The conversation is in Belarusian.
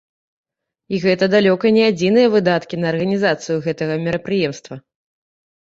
І гэта далёка не адзіныя выдаткі на арганізацыю гэтага мерапрыемства.